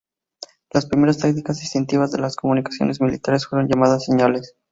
Las primeras tácticas distintivas de las comunicaciones militares fueron llamadas "señales".